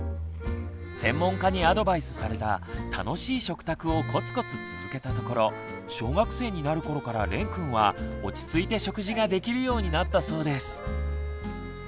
専門家にアドバイスされた「楽しい食卓」をコツコツ続けたところ小学生になる頃かられんくんは落ち着いて食事ができるようになったそうです。